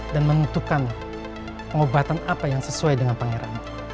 dan menentukan pengobatan apa yang sesuai dengan pangeran